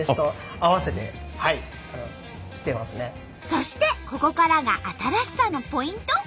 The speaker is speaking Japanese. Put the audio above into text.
そしてここからが新しさのポイント。